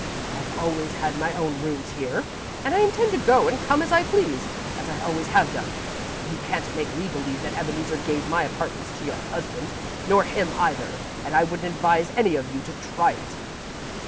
I've always had my own rooms here, and I intend to go and come as I please, as I always have done. You can't make me believe that Ebeneezer gave my apartments to your husband, nor him either, and I wouldn't advise any of you to try it."